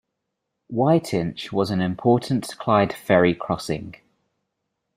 Whiteinch was an important Clyde ferry crossing.